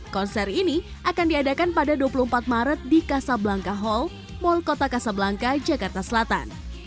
konser ini akan diadakan pada dua puluh empat maret di casablangka hall mall kota kasablangka jakarta selatan